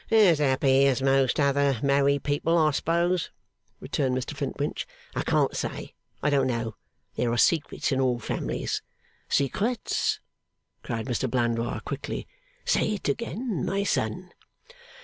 'As happy as most other married people, I suppose,' returned Mr Flintwinch. 'I can't say. I don't know. There are secrets in all families.' 'Secrets!' cried Mr Blandois, quickly. 'Say it again, my son.